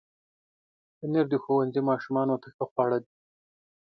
پنېر د ښوونځي ماشومانو ته ښه خواړه دي.